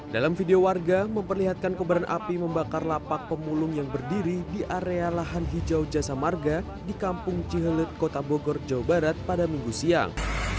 dalam video warga memperlihatkan kebaran api membakar lapak pemulung yang berdiri di area lahan hijau jasa marga di kampung cihelet kota bogor jawa barat pada minggu siang